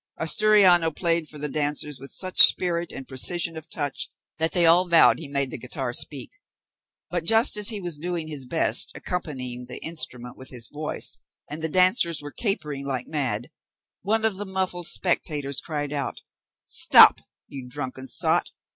Asturiano played for the dancers with such spirit and precision of touch that they all vowed he made the guitar speak; but just as he was doing his best, accompanying the instrument with his voice, and the dancers were capering like mad, one of the muffled spectators cried out, "Stop, you drunken sot!